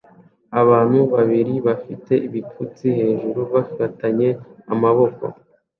Abantu babiri bafite ibipfunsi hejuru bafatanye amaboko